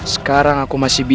sekarang aku masih berharap